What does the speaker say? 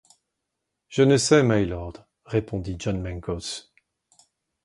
Je ne sais, mylord, répondit John Mangles.